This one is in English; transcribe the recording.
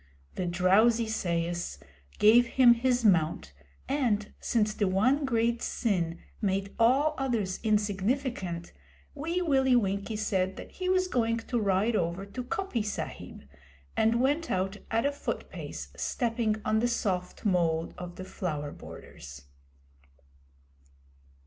The drowsy sais gave him his mount, and, since the one great sin made all others insignificant, Wee Willie Winkie said that he was going to ride over to Coppy Sahib, and went out at a foot pace, stepping on the soft mould of the flower borders.